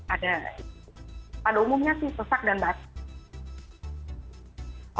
ada pada umumnya sih sesak dan batuk